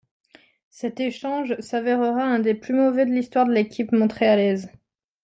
Cet échange s'avérera un des plus mauvais de l'histoire de l'équipe montréalaise.